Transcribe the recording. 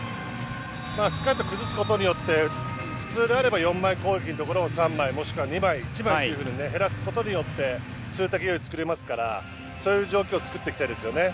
しっかり崩すことによって普通であれば４枚攻撃のところを３枚もしくは２枚、１枚と減らすことによって数的有利を作れますからそういう状況を作っていきたいですよね。